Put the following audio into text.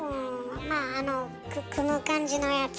まああの組む感じのやつ？